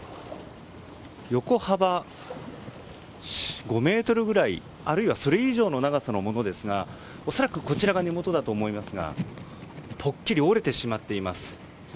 横幅５ｍぐらいあるいはそれ以上の長さのものですが恐らくこちらが根元だと思いますがぽっきり折れてしまっています。